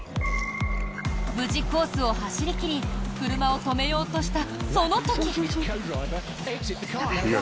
無事、コースを走り切り車を止めようとしたその時。